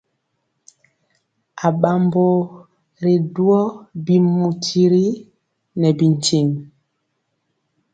Aɓambo ri duwɔ bimu tiri nɛ bintiŋ.